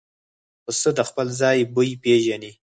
پسه د خپل ځای بوی پېژني.